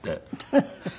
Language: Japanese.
フフフフ。